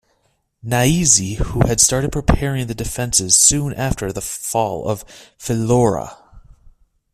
Niazi who had started preparing the defences soon after fall of Phillora.